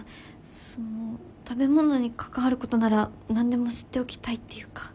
その食べ物に関わることなら何でも知っておきたいっていうか。